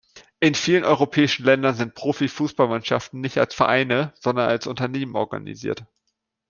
In vielen europäischen Ländern sind Profi-Fußballmannschaften nicht als Vereine, sondern als Unternehmen organisiert.